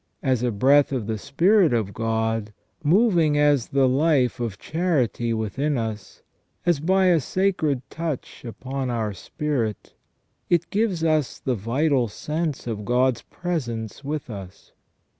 As a breath of the Spirit of God, moving as the life of charity within us, as by a sacred touch upon our spirit, it gives us the vital sense of God's presence with us.